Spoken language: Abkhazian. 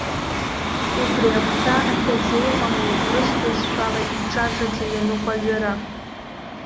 Убри агәҭа ахьазеиҟароу урысбызшәала иҿаҿаӡа иануп аҩыра.